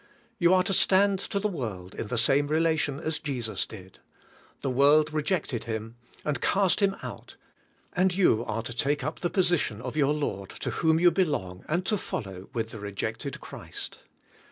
You are to stand to the world in the same relation as Jesus did. The world rejected Him, and cast Him out, and you are to take up the position of your Lord, to whom you belong, and to follow with the rejected Christ.